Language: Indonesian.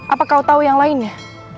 apa kau tahu yang lainnya